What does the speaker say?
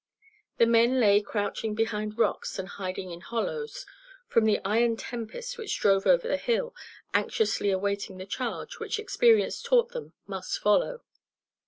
The men lay crouching behind rocks and hiding in hollows, from the iron tempest which drove over the hill, anxiously awaiting the charge, which experience taught them, must follow.